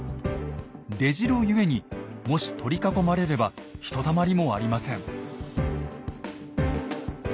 出城ゆえにもし取り囲まれればひとたまりもありません。